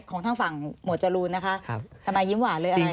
ของทางฝั่งหมวดจรูนนะคะทำไมยิ้มหวานเลย